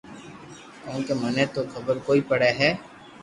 ڪونڪھ مني تو خبر ڪوئي پڙي ھي